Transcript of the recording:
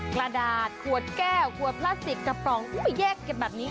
กระดาษขวดแก้วขวดพลาสติกกระป๋องแยกกันแบบนี้